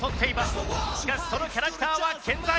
しかしそのキャラクターは健在。